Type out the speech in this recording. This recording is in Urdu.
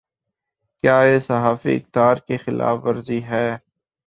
کیا یہ صحافی اقدار کی خلاف ورزی نہیں۔